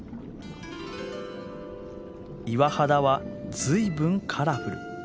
岩肌は随分カラフル。